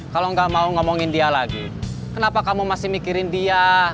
kalau nggak mau ngomongin dia lagi kenapa kamu masih mikirin dia